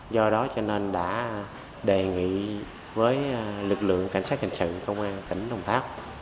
do đó cho nên đã đề nghị với lực lượng cảnh sát hình sự công an tỉnh đồng tháp